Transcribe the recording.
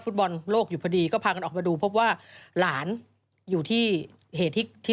ซึ่งตอน๕โมง๔๕นะฮะทางหน่วยซิวได้มีการยุติการค้นหาที่